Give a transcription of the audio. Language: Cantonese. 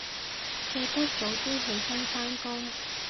記得早啲起身返工